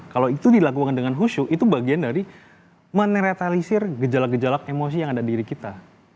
kalau itu dilakukan dengan khusyuk itu bagian dari meneretalisir gejala gejala emosi yang ada di diri kita